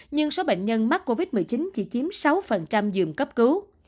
nhưng số bệnh nhân mắc covid một mươi chín chỉ chiếm sáu giường cấp cứu